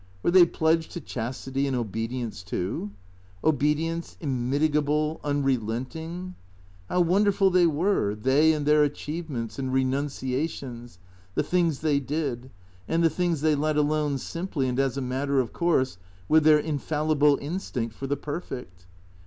Were they pledged to chastity and obedience, too ? Obedience, immitigable, unrelenting ? How wonderful they were, they and their achieve ments and renunciations, the things they did, and the things they let alone simply and as a matter of course, with their in fallible instinct for the perfect.